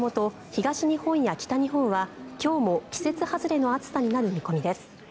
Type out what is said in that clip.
東日本や北日本は今日も季節外れの暑さになる見込みです。